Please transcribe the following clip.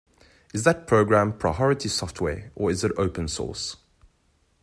Is that program proprietary software, or is it open source?